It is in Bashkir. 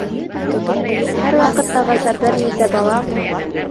Һәр ваҡыттағыса бер нисә бала: